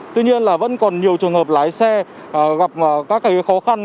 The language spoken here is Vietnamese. tuy nhiên là vẫn còn nhiều trường hợp lái xe gặp các khó khăn